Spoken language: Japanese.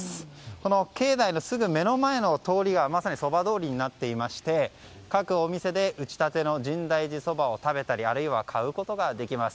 この境内のすぐ目の前の通りがまさにそば通りになっていまして各お店で打ち立ての深大寺そばを食べたりあるいは買うことができます。